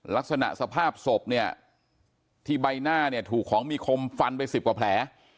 ลักษณะสภาพศพเนี่ยที่ใบหน้าเนี่ยถูกของมีคมฟันไป๑๐กว่าแผล